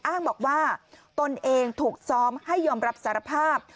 อ้างบอกว่าตนเองถูกซ้อมให้ยอมรับสารภาพ